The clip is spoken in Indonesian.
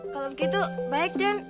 kalau begitu baik den